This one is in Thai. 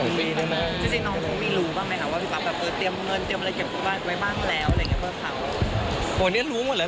ว่าพี่ปับเตรียมเงินเก็บบ้านไว้บ้างแล้ว